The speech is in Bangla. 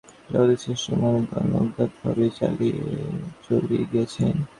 জগতের শ্রেষ্ঠ মানবগণ অজ্ঞাতভাবেই চলিয়া গিয়াছেন।